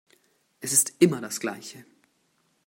Es ist immer das Gleiche.